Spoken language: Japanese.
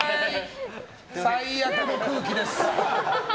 最悪の空気です。